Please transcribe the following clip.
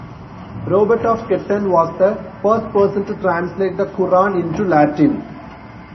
Robert of Ketton was the first person to translate the Qur'an into Latin.